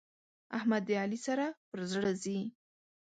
احمد د علي سره پر زړه ځي.